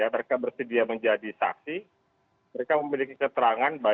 mereka bersedia menjadi saksi mereka memiliki keterangan